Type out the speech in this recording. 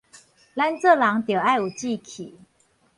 咱做人著愛有志氣